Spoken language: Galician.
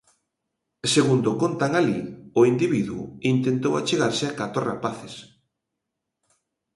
Segundo contan alí, o individuo intentou achegarse a catro rapaces.